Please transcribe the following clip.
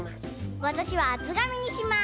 わたしはあつがみにします。